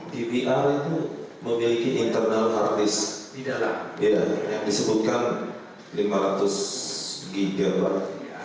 dpr itu memiliki internal harddisk yang disebutkan lima ratus gigawatt